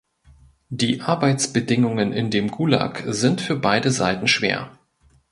Die Arbeitsbedingungen in dem Gulag sind für beide Seiten schwer.